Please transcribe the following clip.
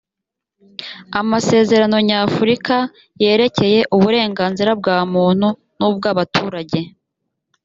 amasezerano nyafurika yerekeye uburenganzira bwa muntu n ubw abaturage